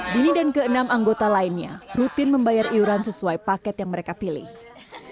dini dan ke enam anggota lainnya rutin membayar iuran sesuai paket yang mereka pilih